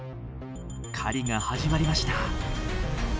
狩りが始まりました。